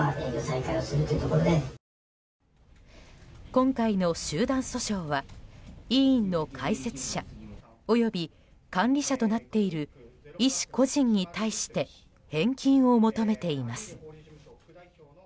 今回の集団訴訟は医院の開設者及び管理者となっている医師個人に対して返金を求めています。